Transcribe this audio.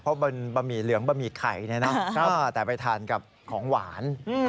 เพราะบะหมี่เหลืองบะหมี่ไข่เนี่ยนะแต่ไปทานกับของหวาน